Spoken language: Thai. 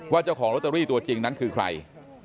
เจ้าของลอตเตอรี่ตัวจริงนั้นคือใคร